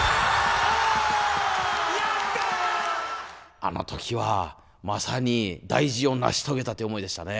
あの時はまさに大事を成し遂げたという思いでしたね。